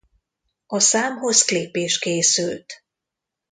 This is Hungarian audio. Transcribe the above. A számhoz klip is készült.